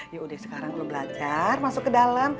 yaudah sekarang lo belajar masuk ke dalam